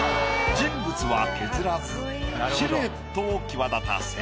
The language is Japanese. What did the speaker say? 人物は削らずシルエットを際立たせる。